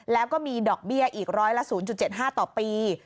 แล้วก็มีดอกเบี้ยอีกร้อยละ๐๗๕ต่อปี